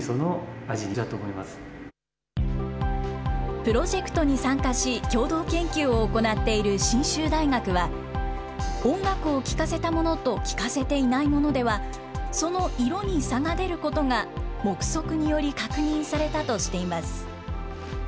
プロジェクトに参加し、共同研究を行っている信州大学は、音楽を聴かせたものと聴かせていないものでは、その色に差が出ることが、目測により確認されたとしています。